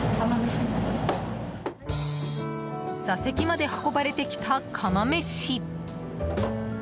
座席まで運ばれてきた釜飯。